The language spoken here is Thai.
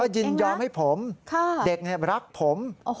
ยินยอมให้ผมเด็กรักผม